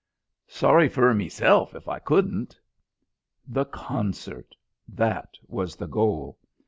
"Sorry fur meself if I couldn't." The concert! That was the goal.